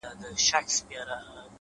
هسې سترگي پـټـي دي ويــــده نــه ده _